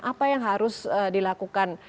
apa yang harus dilakukan